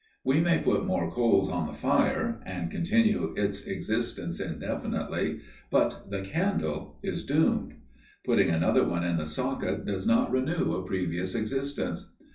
We may put more coals on the fire, and continue its existence indefinitely, but the candle is doomed. Putting another one in the socket does not renew a previous existence.